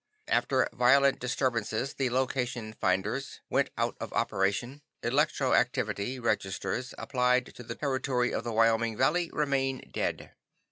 "After violent disturbances the location finders went out of operation. Electroactivity registers applied to the territory of the Wyoming Valley remain dead.